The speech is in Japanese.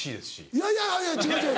いやいやいや違う違う。